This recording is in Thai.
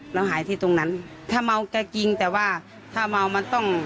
เราหายที่ตรงนั้นถ้าเมาก็จริงแต่ว่าถ้าเมามันต้อง